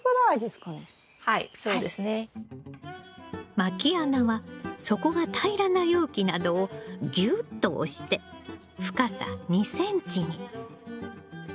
まき穴は底が平らな容器などをギュッと押して深さ２ｃｍに。